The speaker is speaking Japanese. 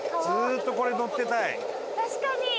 確かに！